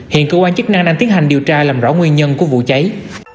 hiện cơ quan chức năng đang tiến hành điều tra làm rõ nguyên nhân của vụ cháy